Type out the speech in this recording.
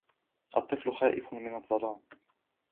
الطفل خائف من الظلام.